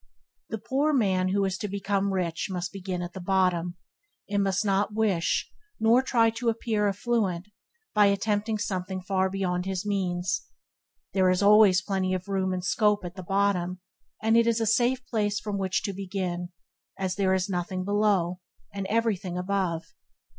The poor man who is to become rich must begin at the bottom, and must not wish, nor try to appear affluent by attempting something far beyond his means. There is always plenty of room and scope at the bottom, and it is a safe place from which to begin, as there is nothing below, and everything above.